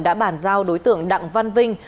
đã bản giao đối tượng đặng văn vinh